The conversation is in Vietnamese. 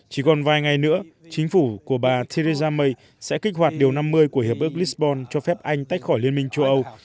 chỉ còn vài ngày nữa chính phủ của bà theresa may sẽ kích hoạt điều năm mươi của hiệp ước lisbon cho phép anh tách khỏi liên minh châu âu